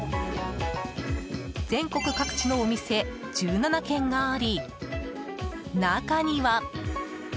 全国各地のお店１７軒があり中には。